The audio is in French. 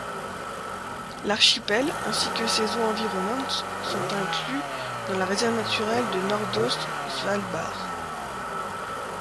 L'archipel ainsi que ses eaux environnantes sont inclus dans la réserve naturelle de Nordaust-Svalbard.